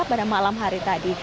pada malam hari tadi